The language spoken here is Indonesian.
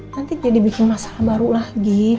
nanti dia dibikin masalah baru lagi